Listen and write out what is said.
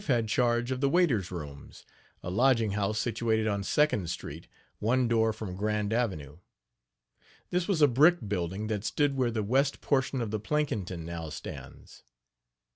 My wife had charge of the waiter's rooms, a lodging house situated on Second street, one door from Grand Avenue. This was a brick building that stood where the west portion of the Plankinton now stands.